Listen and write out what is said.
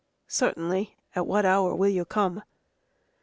"Certainly. At what hour will you come?"